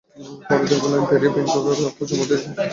পরে দীর্ঘ লাইন পেরিয়ে ব্যাংকে করের অর্থ জমা দিয়েছেন শাহিদা আক্তার।